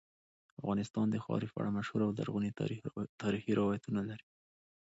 افغانستان د خاورې په اړه مشهور او لرغوني تاریخی روایتونه لري.